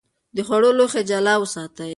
د خوړو لوښي جلا وساتئ.